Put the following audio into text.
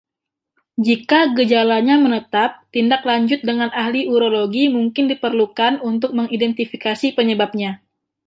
Jika gejalanya menetap, tindak lanjut dengan ahli urologi mungkin diperlukan untuk mengidentifikasi penyebabnya.